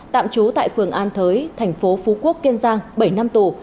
tạm trú tại phường an thới thành phố phú quốc kiên giang bảy năm tù